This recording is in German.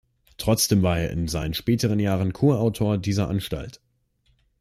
Trotzdem war er in seinen späteren Jahren Kurator dieser Anstalt.